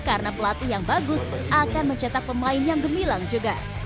karena pelatih yang bagus akan mencetak pemain yang gemilang juga